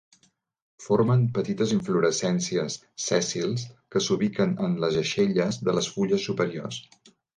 Formen petites inflorescències, sèssils, que s'ubiquen en les aixelles de les fulles superiors.